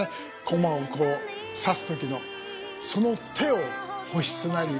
駒をこう指す時のその手を保湿なり。